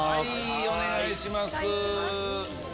お願いします。